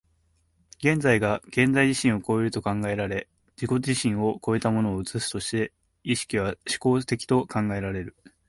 現在が現在自身を越えると考えられ、自己自身を越えたものを映すとして、意識は志向的と考えられる。